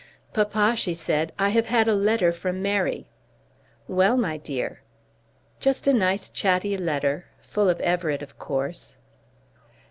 "Papa," she said, "I have had a letter from Mary." "Well, my dear." "Just a nice chatty letter, full of Everett, of course."